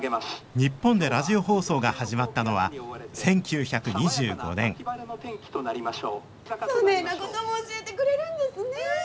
日本でラジオ放送が始まったのは１９２５年そねえなことも教えてくれるんですね。